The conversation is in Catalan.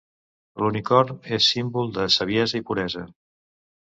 L'unicorn és símbol de saviesa i puresa.